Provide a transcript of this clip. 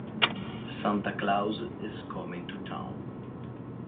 Santa Claus Is Coming to Town